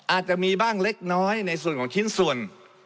อาจจะมีบ้างเล็กน้อยในส่วนของชิ้นส่วน